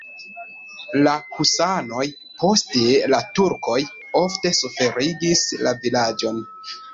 La husanoj, poste la turkoj ofte suferigis la vilaĝon.